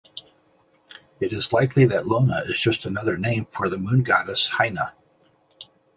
It is likely that Lona is just another name for the Moon goddess Hina.